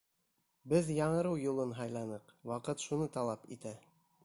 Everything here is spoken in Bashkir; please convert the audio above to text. Беҙ яңырыу юлын һайланыҡ, ваҡыт шуны талап итә.